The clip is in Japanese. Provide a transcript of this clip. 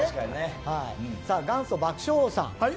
元祖爆笑王さん。